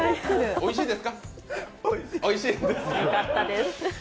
おいしいです。